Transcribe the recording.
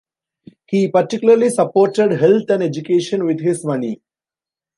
He particularly supported health and education with his money.